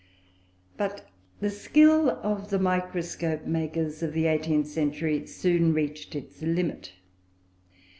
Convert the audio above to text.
_ p. 176.] But the skill of the microscope makers of the eighteenth century soon reached its limit.